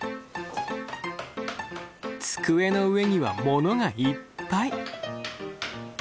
机の上には物がいっぱい。